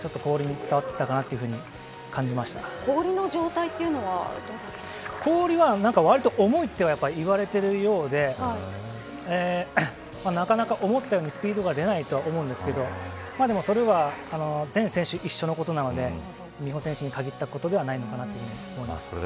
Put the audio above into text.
それが氷に伝わったのかな氷の状態というのは氷は、わりと重いと言われているようでなかなか思ったようにスピードが出ないと思うんですけどそれは全選手一緒のことなので美帆選手に限ったことではないかなと思います。